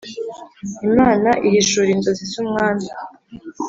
imana ihishura inzozi z umwami